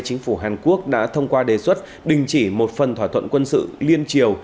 chính phủ hàn quốc đã thông qua đề xuất đình chỉ một phần thỏa thuận quân sự liên triều